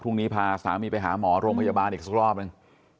พรุ่งนี้พาสามีไปหาหมอโรงพยาบาลอีกสักรอบหนึ่ง